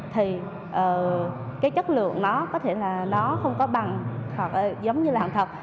thì cái chất lượng nó có thể là nó không có bằng giống như là hàng thật